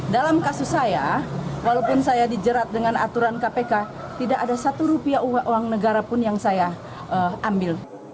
dalam kasus saya walaupun saya dijerat dengan aturan kpk tidak ada satu rupiah uang negara pun yang saya ambil